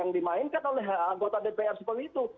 yang dimainkan oleh anggota dpr seperti itu